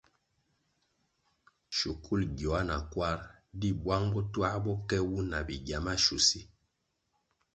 Shukul gyoa na kwar di bwang bo twā bo ke wu na bigya mashusi.